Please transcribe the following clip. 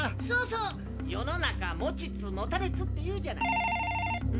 そうそう世の中持ちつ持たれつって言うじゃない。